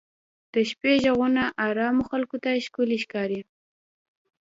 د شپې ږغونه ارامو خلکو ته ښکلي ښکاري.